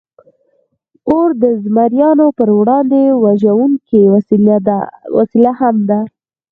اور د زمریانو پر وړاندې وژونکې وسله هم ده.